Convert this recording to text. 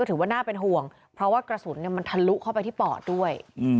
ถือว่าน่าเป็นห่วงเพราะว่ากระสุนมันทะลุเข้าไปที่ปอดด้วย